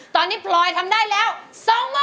ตอนนี้พลอยทำได้แล้วสองหมื่น